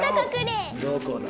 どこだ？